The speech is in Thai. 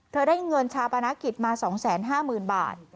เธอได้เงินชาปนาคิดมาสองแสนห้าหมื่นบาท